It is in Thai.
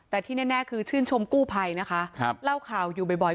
แต่ที่แน่คือชื่นชมกู้ภัยนะคะเล่าข่าวอยู่บ่อย